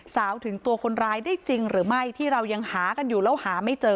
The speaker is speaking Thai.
สาวถึงตัวคนร้ายได้จริงหรือไม่ที่เรายังหากันอยู่แล้วหาไม่เจอ